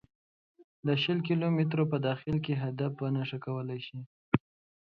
د شل کیلو مترو په داخل کې هدف په نښه کولای شي